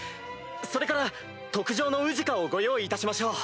それから特上の牛鹿をご用意いたしましょう。